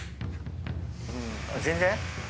全然？